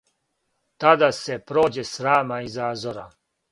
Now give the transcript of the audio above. Тад се прође срама и зазора,